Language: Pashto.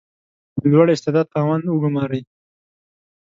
• د لوړ استعداد خاوندان وګمارئ.